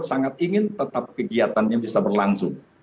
sangat ingin tetap kegiatannya bisa berlangsung